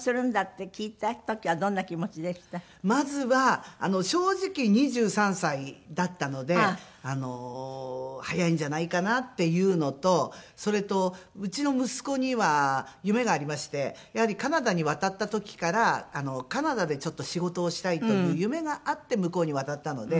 まずは正直２３歳だったので早いんじゃないかなっていうのとそれとうちの息子には夢がありましてやはりカナダに渡った時からカナダでちょっと仕事をしたいという夢があって向こうに渡ったので。